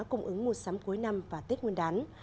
cung ứng mua sắm cuối năm và tết nguyên đán